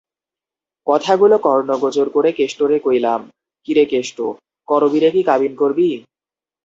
কথাগুলো কর্ণগোচর করে কেষ্টরে কইলাম, কিরে কেষ্ট করবীরে কি কাবিন করবি?